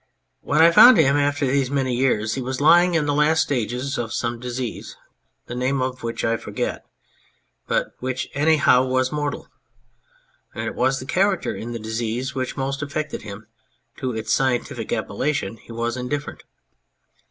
When I found him after these many years he was lying in the last stages of some disease the name of which I forget but which anyhow was mortal ; and it was the character in the disease which most affected him to its scientific appellation he was indifferent.